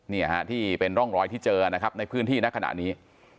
นี่ฮะที่เป็นร่องรอยที่เจอนะครับในพื้นที่ณขณะนี้